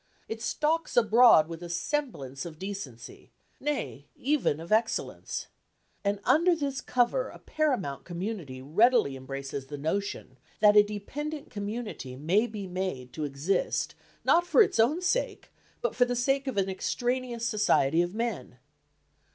It stalks abroad with a semblance of decency, nay, even of excellence. And under this cover a paramount community readily embraces the notion, that a dependent community may be made to exist not for its own sake, but for the sake of an extraneous society of men.